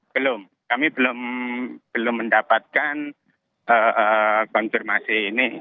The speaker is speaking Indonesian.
belum kami belum mendapatkan konfirmasi ini